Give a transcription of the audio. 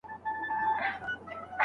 ایا مسوده د چاپ لپاره چمتو ده؟